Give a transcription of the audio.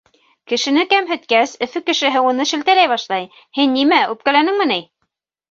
Кешене кәмһеткәс, Өфө кешеһе уны шелтәләй башлай: «Һин нимә, үпкәләнеңме ни?»